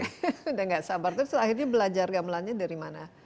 sudah tidak sabar terus akhirnya belajar gamelannya dari mana